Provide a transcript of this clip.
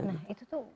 nah itu tuh